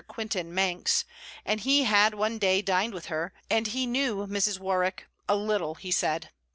Quintin Manx, and he had one day dined with her; and he knew Mrs. Warwick a little, he said.